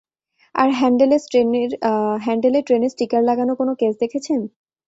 আর হ্যান্ডেলে ট্রেনের স্টিকার লাগানো কোনো কেস দেখেছেন?